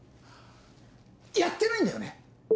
やってないんだよね？